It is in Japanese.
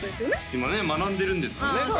今ね学んでるんですもんね？